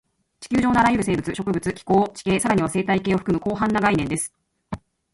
地球上のあらゆる生物、植物、気候、地形、さらには生態系を含む広範な概念です